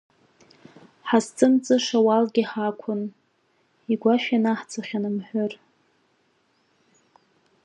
Ҳазҵымҵыша ауалгьы ҳақәын, игәашә ианаҳҵахьан амҳәыр.